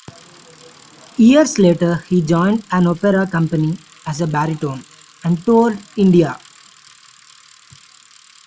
Years later he joined an opera company as a baritone, and toured India.